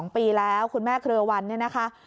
๒ปีแล้วคุณแม่เครือวันเนี่ยนะคะ